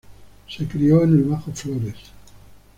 Se crio en el Bajo Flores.